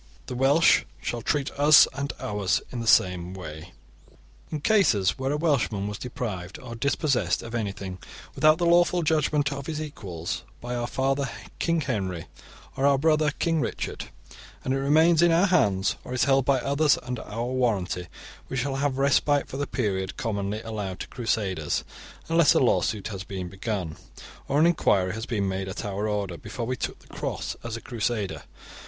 The Welsh shall treat us and ours in the same way. * In cases where a Welshman was deprived or dispossessed of anything, without the lawful judgement of his equals, by our father King Henry or our brother King Richard, and it remains in our hands or is held by others under our warranty, we shall have respite for the period commonly allowed to Crusaders, unless a lawsuit had been begun, or an enquiry had been made at our order, before we took the Cross as a Crusader.